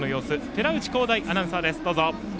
寺内皓大アナウンサーです。